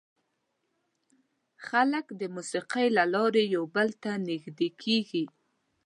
خلک د موسیقۍ له لارې یو بل ته نږدې کېږي.